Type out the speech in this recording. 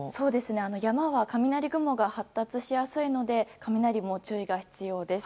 山は雷雲が発達しやすいので雷も注意が必要です。